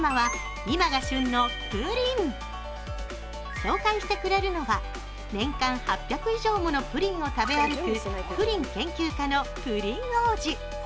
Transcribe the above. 紹介してくれるのは年間８００以上ものプリンを食べ歩くプリン研究家のプリン王子。